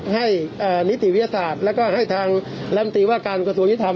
ให้เอ่อนิติวิทยาศาสตร์แล้วก็ให้ทางแรมตีว่าการกระทั่วยุทธรรม